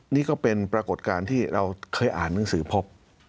นี่ก็เป็นปรากฏการณ์ที่เราเคยอ่านหนังสือพบ